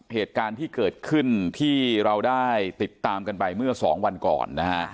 เหตุการณ์ที่เกิดขึ้นที่เราได้ติดตามกันไปเมื่อสองวันก่อนนะฮะ